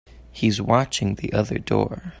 He's watching the other door.